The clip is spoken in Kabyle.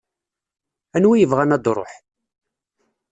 Anwa ibɣan ad ruḥ?.